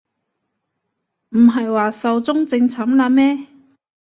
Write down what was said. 唔係話壽終正寢喇咩